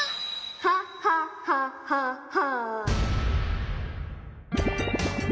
ははははは！